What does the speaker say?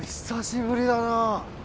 久しぶりだな。